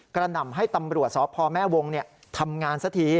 หน่ำให้ตำรวจสพแม่วงทำงานสักที